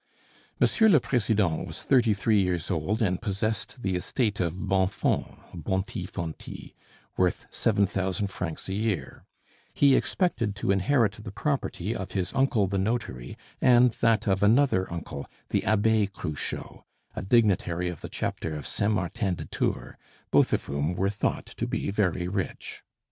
Monsieur le president was thirty three years old, and possessed the estate of Bonfons (Boni Fontis), worth seven thousand francs a year; he expected to inherit the property of his uncle the notary and that of another uncle, the Abbe Cruchot, a dignitary of the chapter of Saint Martin de Tours, both of whom were thought to be very rich.